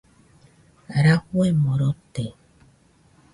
Rafuemo rote.